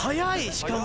しかも。